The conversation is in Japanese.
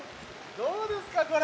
どうですか、これ。